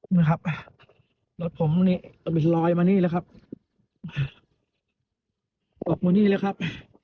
นี่ครับรถผมนี่ลอยมานี่แล้วครับออกมานี่แล้วครับ